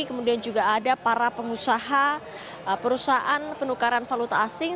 kemudian juga ada para pengusaha perusahaan penukaran valuta asing